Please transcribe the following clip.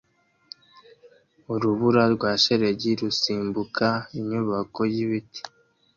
Urubura rwa shelegi rusimbuka inyuma yibiti